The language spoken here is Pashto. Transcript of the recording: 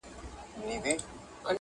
شمس الزمان ديوانه مروت